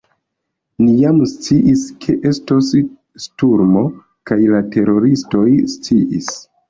Ni jam sciis, ke estos sturmo, kaj la teroristoj sciis.